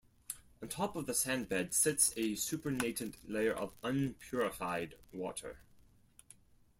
On top of the sand bed sits a supernatant layer of unpurified water.